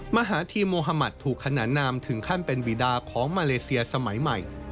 มหาธีโมฮามัติถูกขนานนามถึงขั้นเป็นวีดาของมาเลเซียสมัยใหม่